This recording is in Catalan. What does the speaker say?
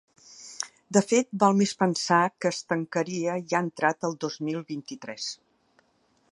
De fet, val més pensar que es tancaria ja entrat el dos mil vint-i-tres.